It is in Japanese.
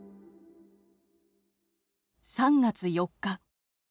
３月４日。